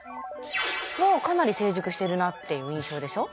もうかなり成熟してるなっていう印象でしょ？